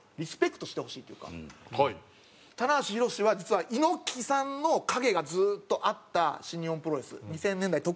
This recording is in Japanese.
棚橋弘至は実は猪木さんの影がずっとあった新日本プロレス２０００年代特に。